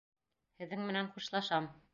Һеҙҙең менән хушлашам!